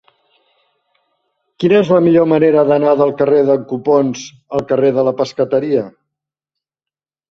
Quina és la millor manera d'anar del carrer d'en Copons al carrer de la Pescateria?